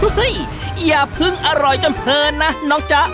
อย่าเพิ่งอร่อยจนเพลินนะน้องจ๊ะ